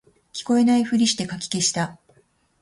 聞こえないふりしてかき消した